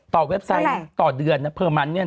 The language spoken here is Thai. ต่อเว็บไซต์ต่อเดือนนะเนี่ยนะ